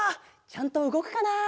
ちゃんとうごくかな？